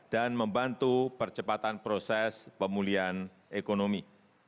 dan membantu percepatan proses pemulihan ekonomi